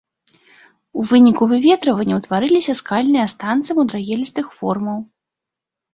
У выніку выветрывання ўтварыліся скальныя астанцы мудрагелістых формаў.